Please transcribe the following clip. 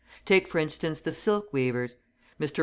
Take, for instance, the silk weavers. Mr.